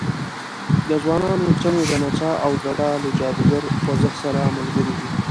د ځوانانو څڼې د نڅا او ګډا له جادوګر خوځښت سره ملګرې وې.